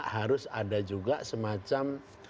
harus ada juga semacam